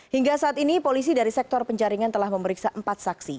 hingga saat ini polisi dari sektor penjaringan telah memeriksa empat saksi